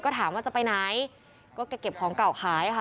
ก็ถามว่าจะไปไหนก็แกเก็บของเก่าขายค่ะ